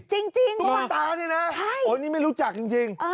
จริงตุ๊กตานี่นะโอ้นี่ไม่รู้จักจริง